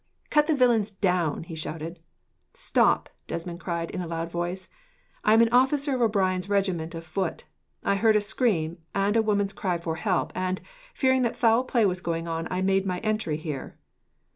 "Cut the villains down!" he shouted. "Stop!" Desmond cried, in a loud voice. "I am an officer of O'Brien's regiment of foot. I heard a scream, and a woman's cry for help, and, fearing that foul play was going on, I made my entry here."